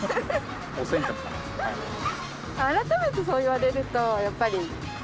改めてそう言われるとやっぱりね